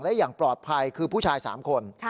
และอย่างปลอดภัยคือผู้ชาย๓คน